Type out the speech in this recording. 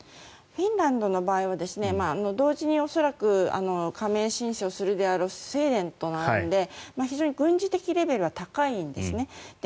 フィンランドの場合は同時に恐らく加盟申請をするであろうスウェーデンとも並んで非常に軍事的レベルは高いんですね。